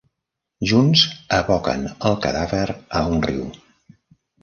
Junts, aboquen el cadàver a un riu.